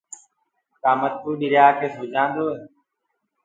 ڪآ ڀٽوُ ڏريآ ڪي سوجآندو هي؟